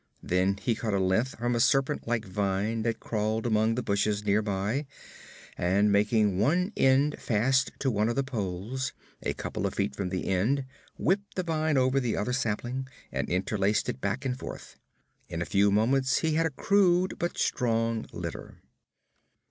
Then he cut a length from a serpent like vine that crawled among the bushes near by, and making one end fast to one of the poles, a couple of feet from the end, whipped the vine over the other sapling and interlaced it back and forth. In a few moments he had a crude but strong litter.